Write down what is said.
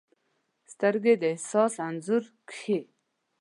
سترګې د احساس انځور کښي